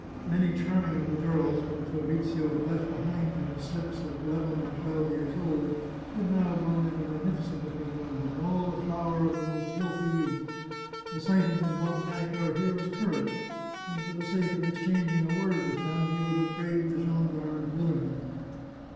Many charming little girls, whom Fabrizio had left behind him as slips of eleven and twelve years old, had now grown into magnificent looking women, in all the flower of the most healthy youth. The sight of them brought back our hero's courage, and for the sake of exchanging a word with them, he would have braved the gendarmes willingly.